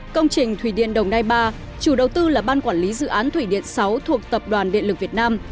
công trình thủy điện đồng nai ba chủ đầu tư là ban quản lý dự án thủy điện sáu thuộc tập đoàn điện lực việt nam